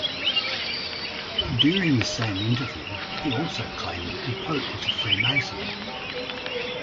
During the same interview, he also claimed that the Pope was a Freemason.